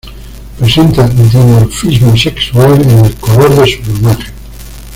Presenta dimorfismo sexual en el color de su plumaje.